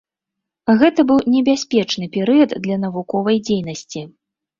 Гэта быў небяспечны перыяд для навуковай дзейнасці.